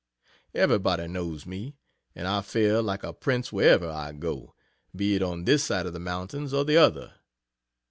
Everybody knows me, and I fare like a prince wherever I go, be it on this side of the mountains or the other.